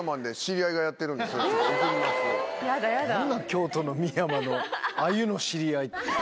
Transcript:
京都の美山の鮎の知り合いって。